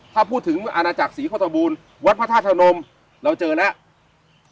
ถ้าพูดถึงอาณาจักรศรีข้อตบูรณ์วัดพระธาตุพนมเราเจอแล้ว